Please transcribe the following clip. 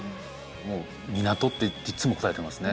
もう港っていっつも答えてますね。